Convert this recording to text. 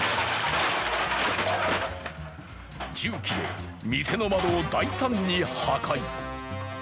重機で店の窓を大胆に破壊。